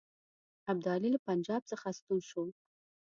ابدالي له پنجاب څخه ستون شو.